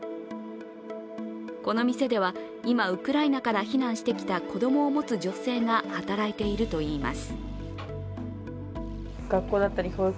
この店では、今ウクライナから避難してきた子供を持つ女性が働いているといいます。